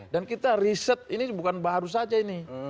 dan kita riset ini bukan baru saja ini